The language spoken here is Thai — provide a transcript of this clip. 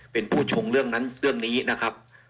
เป็นผู้ชงเรื่องนั้นเรื่องนี้นะครับ